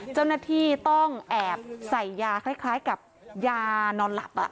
เจ้าหน้าที่ต้องแอบใส่ยาคล้ายกับยานอนหลับ